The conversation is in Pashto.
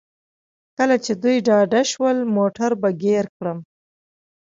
کله چې دوی ډاډه شول موټر به ګیر کړم.